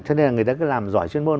thế nên là người ta cứ làm giỏi chuyên môn